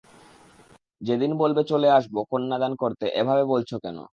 যেদিন বলবে চলে আসব কন্যাদান করতে - এভাবে বলছ কেন?